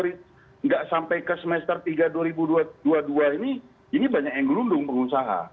tidak sampai ke semester tiga dua ribu dua puluh dua ini ini banyak yang gerundung pengusaha